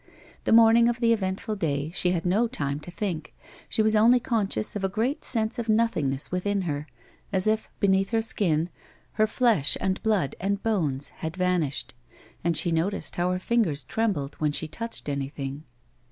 The morning of the eventful day she had no time to think ; she was only conscious of a great sense of nothingness within her, as if beneath her skin, her flesh, and blood, and bones had vanished, and she noticed how her fingers trembled when she touched anything.